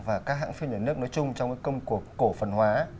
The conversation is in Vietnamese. và các hãng phim nhà nước nói chung trong cái công cuộc cổ phần hóa